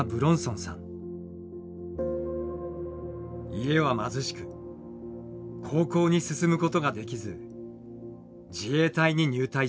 家は貧しく高校に進むことができず自衛隊に入隊しました。